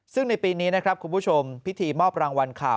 ซึ่งในปีนี้นะครับคุณผู้ชมพิธีมอบรางวัลข่าว